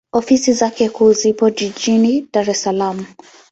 Ofisi zake kuu zipo Jijini Dar es Salaam.